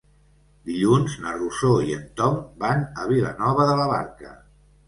Dilluns na Rosó i en Tom van a Vilanova de la Barca.